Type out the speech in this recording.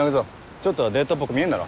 ちょっとはデートっぽく見えんだろ。